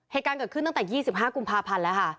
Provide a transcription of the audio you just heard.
เหตุการณ์เกิดขึ้นตั้งแต่๒๕กุมภาพันธ์แล้วค่ะ